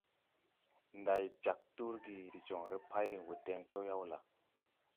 Ndày jāg durgi de joŋre pay wo den so yaw la?